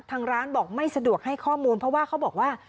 ทางร้านบอกไม่สะดวกให้ข้อมูลเพราะว่าเขาบอกว่า